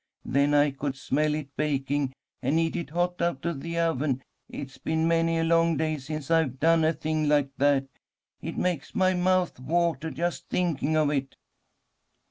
Then I could smell it baking, and eat it hot out of the oven. It's been many a long day since I've done a thing like that. It makes my mouth water, just thinking of it."